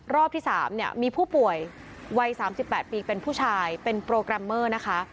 รอบที่๓เนี่ยมีผู้ป่วยวัย๓๘ปีเป็นผู้ชายเป็นโปรแกรมเมอร์นะคะ